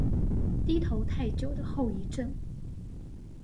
低頭太久的後遺症